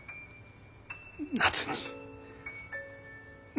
夏に。